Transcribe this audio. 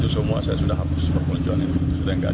semua saya sudah hapus perpeloncoan ini sudah nggak ada